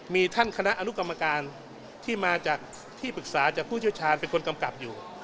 มีท่านคณะอนุกรรมการที่มาจากที่ปรึกษาจากผู้เชี่ยวชาญเป็นคนกำกับอยู่